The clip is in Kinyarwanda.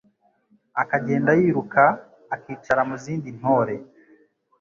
akagenda yiruka akicara mu zindi ntore